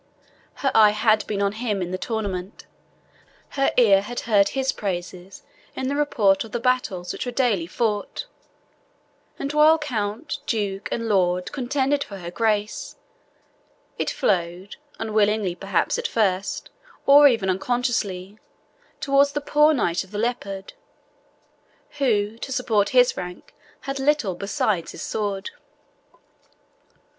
Her eye had been on him in the tournament, her ear had heard his praises in the report of the battles which were daily fought; and while count, duke, and lord contended for her grace, it flowed, unwillingly perhaps at first, or even unconsciously, towards the poor Knight of the Leopard, who, to support his rank, had little besides his sword.